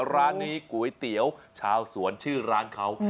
ร้านนี้ก๋วยเตี๋ยวชาวสวนชื่อร้านเขา